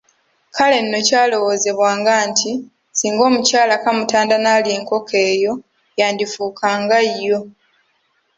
Kale nno kyalowoozebwanga nti singa omukyala kamutanda n’alya enkoko eyo yandifuuka nga yo.